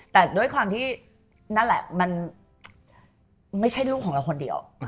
แต่ด้วยความที่นั่นแหละมันไม่ใช่ลูกของเราคนเดียว